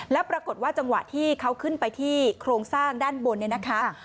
แล้วปรากฏว่าจังหวะที่เขาขึ้นไปที่โครงสร้างด้านบนเนี่ยนะคะ